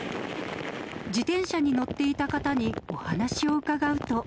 自転車に乗っていた方にお話を伺うと。